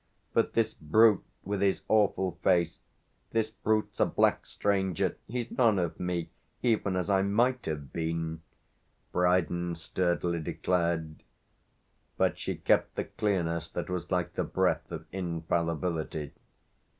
But this brute, with his awful face this brute's a black stranger. He's none of me, even as I might have been," Brydon sturdily declared. But she kept the clearness that was like the breath of infallibility.